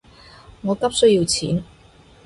我急需要錢